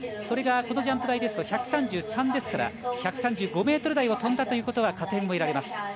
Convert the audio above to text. それが、このジャンプ台ですと１３３ですから１３５ｍ台を飛んだということは加点を得られます。